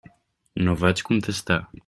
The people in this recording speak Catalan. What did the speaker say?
No vaig contestar.